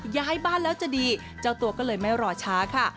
ย้ายบ้านแล้วจะดีเจ้าตัวก็เลยไม่รอช้าค่ะ